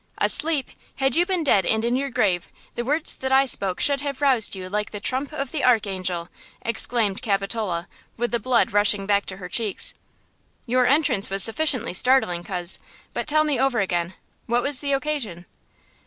"Asleep! Had you been dead and in your grave, the words that I spoke should have roused you like the trump of the archangel!" exclaimed Capitola, with the blood rushing back to her cheeks. "Your entrance was sufficiently startling, coz, but tell me over again–what was the occasion?"